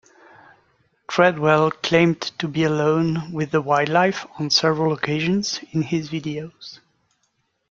Treadwell claimed to be alone with the wildlife on several occasions in his videos.